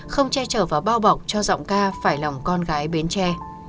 không che trở vào bao bọc cho giọng ca phải lòng con gái bến tre